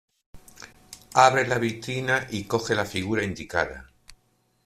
Abre la vitrina y coge la figura indicada.